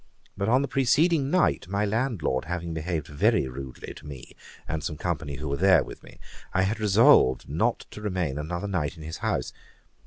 But on the preceding night my landlord having behaved very rudely to me and some company who were with me, I had resolved not to remain another night in his house.